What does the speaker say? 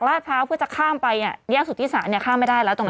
แล้วพระคภูมิ